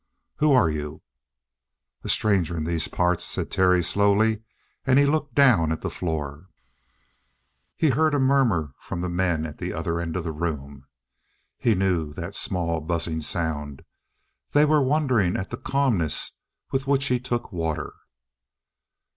"Who are you?" "A stranger in these parts," said Terry slowly, and he looked down at the floor. He heard a murmur from the men at the other end of the room. He knew that small, buzzing sound. They were wondering at the calmness with which he "took water."